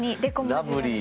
ラブリー。